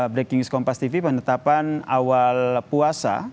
breaking news kompas tv penetapan awal puasa